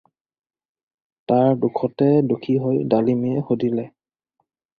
তাৰ দুখতে দুখী হৈ ডালিমীয়ে সুধিলে।